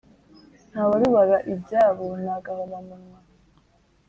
Ntawarubara ibyabo nagahoma munwa